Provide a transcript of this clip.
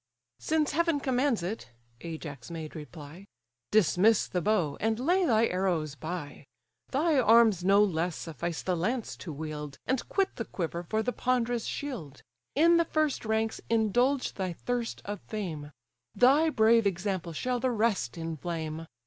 "Since heaven commands it (Ajax made reply) Dismiss the bow, and lay thy arrows by: Thy arms no less suffice the lance to wield, And quit the quiver for the ponderous shield. In the first ranks indulge thy thirst of fame, Thy brave example shall the rest inflame.